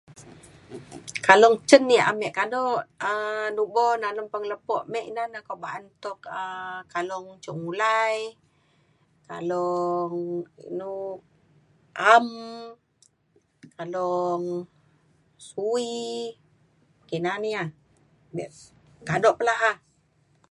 Kalung cen yak ame kado um nubo dalem pengelepo me ina na ko ba’an tuk um kalung cuk ulai kalung inu a’am kalung suwi kina na ia’ be kado pe la’a